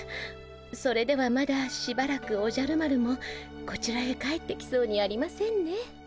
それではまだしばらくおじゃる丸もこちらへ帰ってきそうにありませんね。